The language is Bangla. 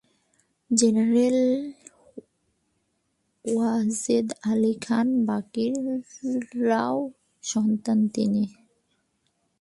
জেনারেল ওয়াজেদ আলী খান বার্কি’র সন্তান তিনি।